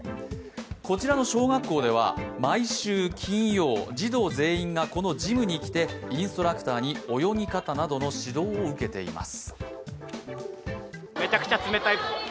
こちらの小学校では毎週金曜、児童全員がこのジムに来て、インストラクターに泳ぎ方などの指導を受けています。